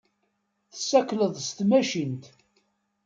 Tessakleḍ s tmacint.